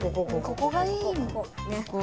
ここがいいね。